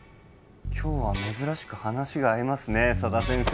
今日は珍しく話が合いますね佐田先生